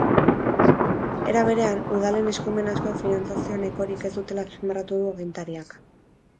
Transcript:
Era berean, udalen eskumen askok finantziazio nahikorik ez dutela azpimarratu du agintariak.